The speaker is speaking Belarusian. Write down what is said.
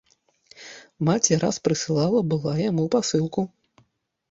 Маці раз прыслала была яму пасылку.